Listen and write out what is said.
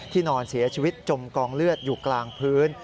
นอนเสียชีวิตจมกองเลือดอยู่กลางพื้น